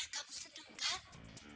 kamu senang kan